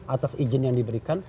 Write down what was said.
atas izin yang diberikan